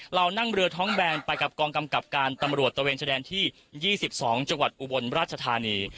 เรานั่งเรือท้องแบนไปกับกองกำกับการตำรวจตะเวนชายแดนที่๒๒จังหวัดอุบลราชธานี